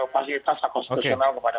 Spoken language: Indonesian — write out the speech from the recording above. fasilitas konstitusional kepada